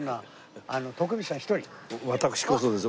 私こそです